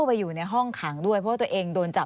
ควิทยาลัยเชียร์สวัสดีครับ